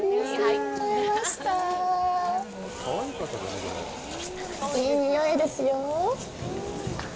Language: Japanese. いい匂いですよ。